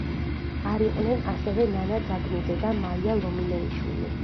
არ იყვნენ ასევე ნანა ძაგნიძე და მაია ლომინეიშვილი.